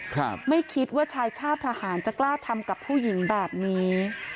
ครับไม่คิดว่าชายชาติทหารจะกล้าทำกับผู้หญิงแบบนี้